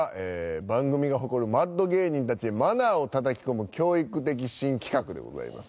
番組が誇るマッド芸人たちにマナーをたたき込む教育的新企画でございます。